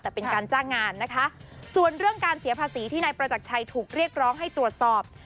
แต่เป็นการจ้างงานนะคะส่วนเรื่องการเสียภาษีที่นายประจักรชัยถูกเรียกร้องให้ตรวจสอบ